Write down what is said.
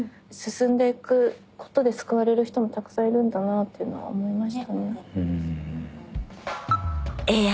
進んでいくことで救われる人もたくさんいるんだなっていうのは思いましたね。